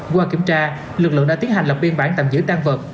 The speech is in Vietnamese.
qua kiểm tra lực lượng đã tiến hành lập biên bản tạm giữ tan vật